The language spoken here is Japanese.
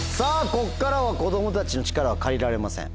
ここからは子供たちの力は借りられません。